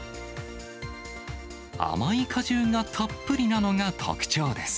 甘い果汁がたっぷりなのが特徴です。